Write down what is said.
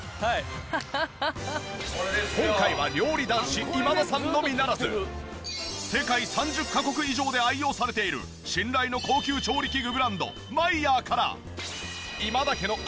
今回は料理男子今田さんのみならず世界３０カ国以上で愛用されている信頼の高級調理器具ブランドマイヤーから今田家の新たなきょうだい誕生なるか！？